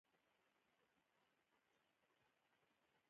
توره هرکاره یې پر نغري ایښې، د پوټیو څښاری و.